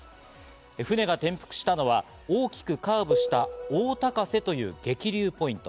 船が転覆したのは大きくカーブした、大高瀬という激流ポイント。